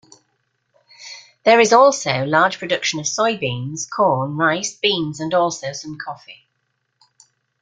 There is also large production of soybeans, corn, rice, beans, and also some coffee.